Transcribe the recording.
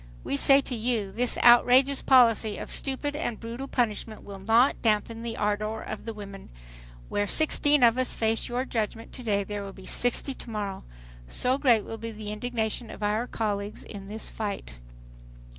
"We say to you, this outrageous policy of stupid and brutal punishment will not dampen the ardor of the women. Where sixteen of us face your judgment to day there will be sixty tomorrow, so great will be the indignation of our colleagues in this fight."